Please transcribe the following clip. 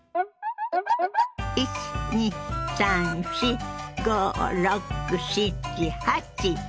１２３４５６７８。